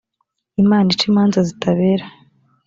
imana ica imanza zitabera